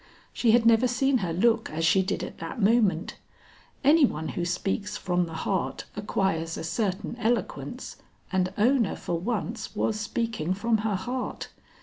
She had never seen her look as she did at that moment. Any one who speaks from the heart, acquires a certain eloquence, and Ona for once was speaking from her heart.